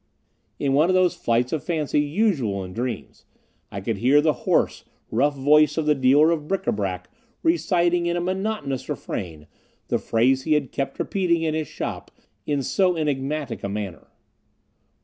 In one of those flights of fancy usual in dreams, I could hear the hoarse, rough voice of the dealer of bric à brac reciting in a monotonous refrain, the phrase he had kept repeating in his shop in so enigmatic a manner.